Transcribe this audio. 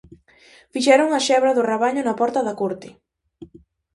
Fixeron a xebra do rabaño na porta da corte.